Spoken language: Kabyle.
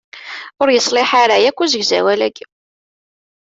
Ur yeṣliḥ ara akk usegzawal-aki.